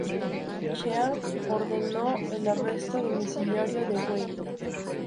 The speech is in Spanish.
Chiang ordenó el arresto domiciliario de Wei.